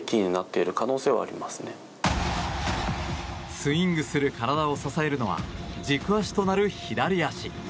スイングする体を支えるのは軸足となる左足。